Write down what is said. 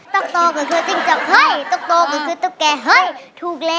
ตกโตก็คือจิงจับเฮ้ยตกโตก็คือตุ๊กแกเฮ้ยถูกแล้ว